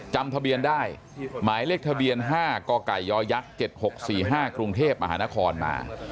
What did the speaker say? จำทะเบียนได้หมายเลขทะเบียน๕กกย๗๖๔๕กรุงเทพมหานครมา